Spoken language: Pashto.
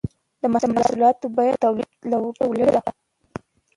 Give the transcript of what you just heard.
د محصولاتو بیه د تولید له بیې لوړه وي